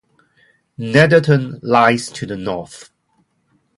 Netherton lies to the North.